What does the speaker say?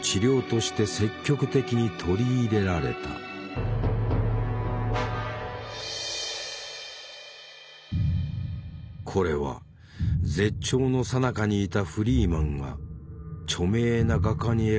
これは絶頂のさなかにいたフリーマンが著名な画家に描かせた肖像画。